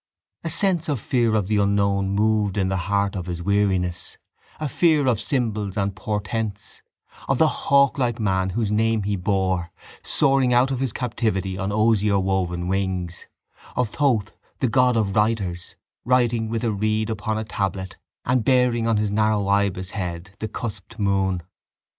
A sense of fear of the unknown moved in the heart of his weariness, a fear of symbols and portents, of the hawklike man whose name he bore soaring out of his captivity on osier woven wings, of Thoth, the god of writers, writing with a reed upon a tablet and bearing on his narrow ibis head the cusped moon.